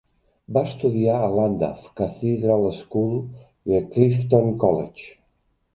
Va estudiar a Llandaff Cathedral School i a Clifton College.